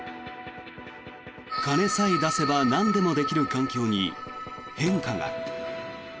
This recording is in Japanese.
金さえ出せばなんでもできる環境に変化が。